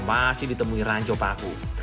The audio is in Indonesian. masih ditemui ranco paku